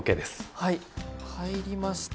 はい入りました。